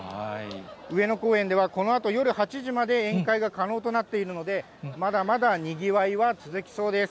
上野公園ではこのあと夜８時まで宴会が可能となっているので、まだまだにぎわいは続きそうです。